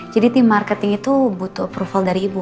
jadi tim marketing itu butuh approval dari ibu